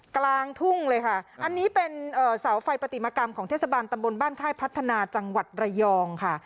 กลางทุ่งเลยค่ะอันนี้เป็นเสาไฟปฏิมากรรมของเทศบาลตำบลบ้านค่ายพัฒนาจังหวัดระยองค่ะ